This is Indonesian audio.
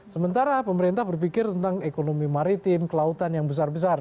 sementara pemerintah berpikir tentang ekonomi maritim kelautan yang besar besar